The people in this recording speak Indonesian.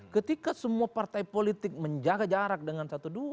ketika semua partai politik menjaga jarak dengan dua belas